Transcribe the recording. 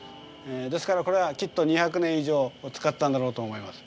ですからこれはきっと２００年以上使ったんだろうと思います。